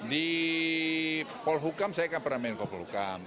di polhukam saya kan pernah menko polhukam